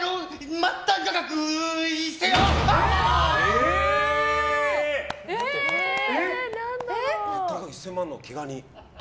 末端価格１０００万の毛ガニ。